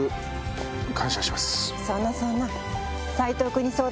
そんなそんな。